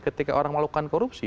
ketika orang melakukan korupsi